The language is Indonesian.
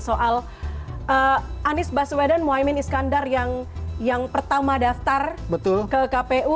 soal anis pasweda dan muhaimin iskandar yang pertama daftar ke kpu